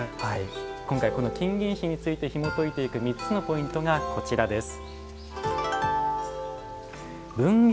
今回、この金銀糸についてひもといていく３つのポイントがこちらです。